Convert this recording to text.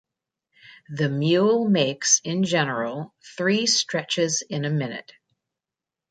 The mule makes in general three stretches in a minute.